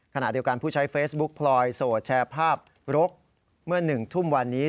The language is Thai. ขณะเดียวกันผู้ใช้เฟซบุ๊คพลอยโสดแชร์ภาพรกเมื่อ๑ทุ่มวันนี้